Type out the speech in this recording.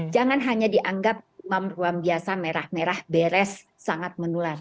jangan hanya dianggap mam ruam biasa merah merah beres sangat menular